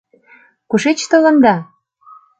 Кушеч толында?